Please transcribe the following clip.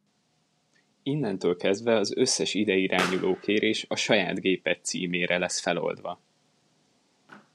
Innentől kezdve az összes ide irányuló kérés a saját géped címére lesz feloldva.